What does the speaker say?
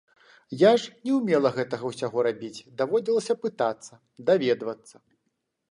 Я ж не ўмела гэтага ўсяго рабіць, даводзілася пытацца, даведвацца.